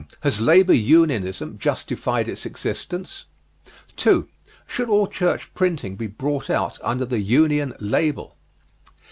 Has Labor Unionism justified its existence? 2. Should all church printing be brought out under the Union Label?